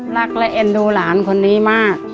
รักและเอ็นดูหลานคนนี้มาก